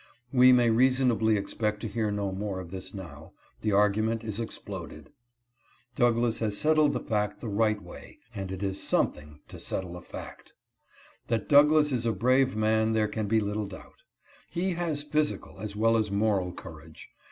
We may reasonably expect to hear no more of this now, the argument is exploded. Douglass has set tled the fact the right way, and it is something to settle a fact. That Douglass is a brave man there can be little doubt. He has physical as well as moral courage.